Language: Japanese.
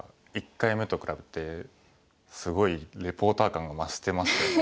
１回目と比べてすごいリポーター感が増してましたよね。